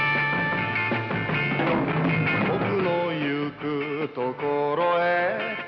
「僕のゆくところへ」